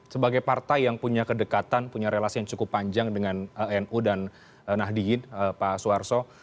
sebagai partai yang punya kedekatan punya relasi yang cukup panjang dengan nu dan nahdiyin pak suarso